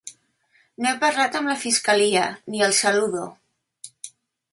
No he parlat amb la fiscalia, ni els saludo.